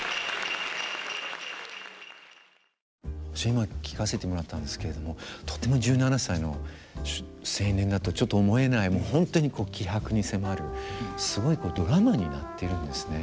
今聴かせてもらったんですけれどもとても１７歳の青年だとちょっと思えない本当に気迫に迫るすごいドラマになってるんですね。